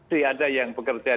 siada yang bekerja